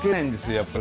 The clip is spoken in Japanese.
やっぱり。